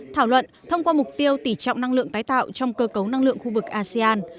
thảo luận thông qua mục tiêu tỉ trọng năng lượng tái tạo trong cơ cấu năng lượng khu vực asean